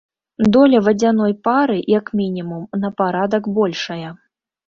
Доля вадзяной пары, як мінімум, на парадак большая.